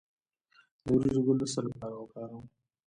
د وریجو ګل د څه لپاره وکاروم؟